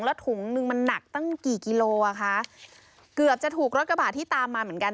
แล้วถุงนึงมันหนักตั้งกี่กิโลอ่ะคะเกือบจะถูกรถกระบาดที่ตามมาเหมือนกัน